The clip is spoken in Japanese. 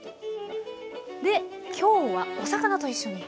で今日はお魚と一緒に。